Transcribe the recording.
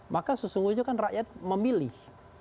maka sesungguhnya kan rakyat memilih